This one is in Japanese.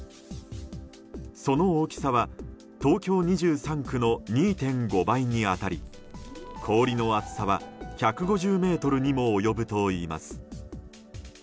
その大きさは東京２３区の２．５倍に当たり氷の厚さは１５０ｍにも及ぶといいます。